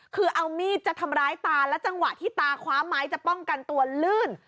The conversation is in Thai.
คือเอามีดจะทำร้ายตาและจังหวะที่ตาคว้าไม้จะป้องกันตัวลื่น